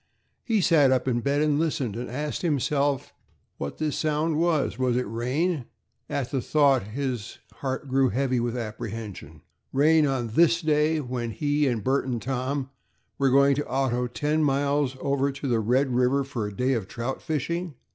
He sat up in bed and listened, and asked himself what that sound was. Was it rain? At the thought his heart grew heavy with apprehension. Rain on this day, when he and Bert and Tom were going to auto ten miles over to the Red River for a day of trout fishing.